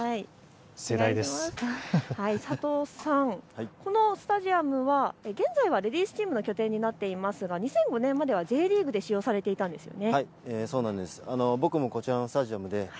佐藤さん、このスタジアムは現在はレディースチームの拠点になってますが２００５年まではＪリーグで使用されていたんですよね。